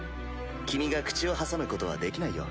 君が口を挟むことはできないよ。